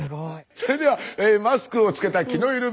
それでは「マスクをつけた気の緩み」